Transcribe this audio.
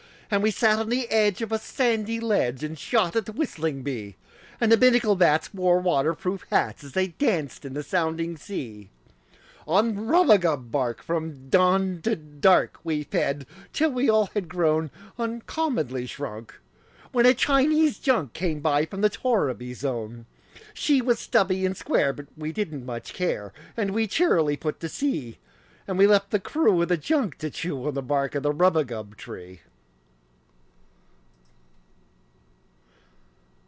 And we sat on the edge of a sandy ledge And shot at the whistling bee; And the Binnacle bats wore water proof hats As they danced in the sounding sea. On rubagub bark, from dawn to dark, We fed, till we all had grown Uncommonly shrunk, when a Chinese junk Came by from the torriby zone. She was stubby and square, but we didn't much care, And we cheerily put to sea; And we left the crew of the junk to chew The bark of the rubagub tree.